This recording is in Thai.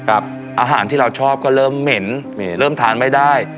อาหารที่เราชอบก็เริ่มเหม็นเริ่มทานไม่ได้